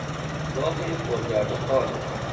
راه پرگرد و خاک